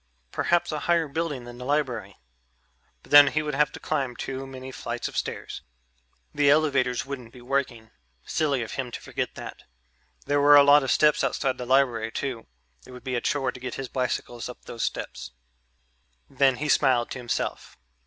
Perhaps a higher building than the library.... But then he would have to climb too many flights of stairs. The elevators wouldn't be working ... silly of him to forget that. There were a lot of steps outside the library too it would be a chore to get his bicycles up those steps. Then he smiled to himself.